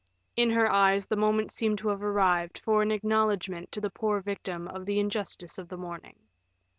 In her eyes the moment seemed to have arrived for an acknowledgement to the poor victim of the injustice of the morning.